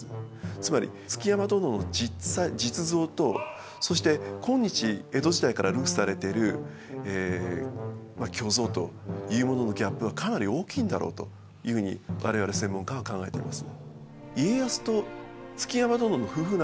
つまり築山殿の実像とそして今日江戸時代から流布されてるまあ虚像というもののギャップはかなり大きいんだろうというふうに我々専門家は考えています。